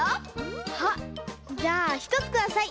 あっじゃあひとつください。